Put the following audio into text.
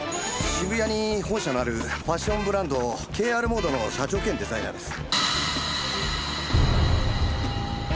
渋谷に本社のあるファッションブランドＫＲｍｏｄｅの社長兼デザイナーです。